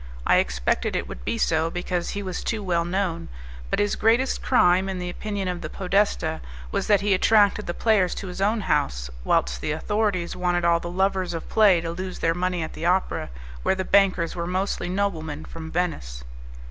I expected it would be so, because he was too well known; but his greatest crime, in the opinion of the podesta, was that he attracted the players to his own house, whilst the authorities wanted all the lovers of play to lose their money at the opera, where the bankers were mostly noblemen from Venice.